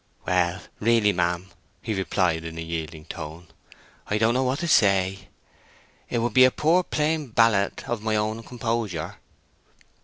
"Well, really, ma'am," he replied, in a yielding tone, "I don't know what to say. It would be a poor plain ballet of my own composure."